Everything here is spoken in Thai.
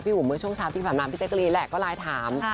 อุ๋มเมื่อช่วงเช้าที่ผ่านมาพี่แจ๊กรีนแหละก็ไลน์ถาม